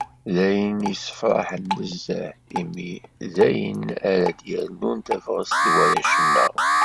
D ayen yessefraḥen nezzeh, imi d ayen ara d-yernun tabɣest i warrac-nneɣ.